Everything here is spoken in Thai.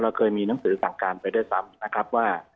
เคยมีหนังสือสั่งการไปด้วยซ้ำนะครับว่า